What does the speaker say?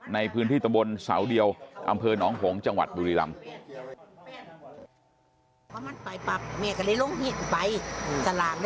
ในพื้นที่ตะบนเสาเดียวอำเภอหนองหงษ์จังหวัดบุรีรำ